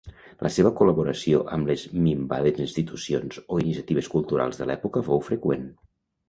La seva col·laboració amb les minvades institucions o iniciatives culturals de l'època fou freqüent.